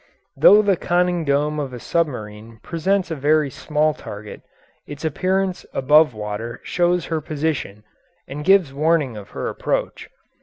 Though the conning dome of a submarine presents a very small target, its appearance above water shows her position and gives warning of her approach.